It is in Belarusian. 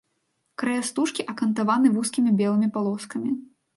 Края стужкі акантаваны вузкімі белымі палоскамі.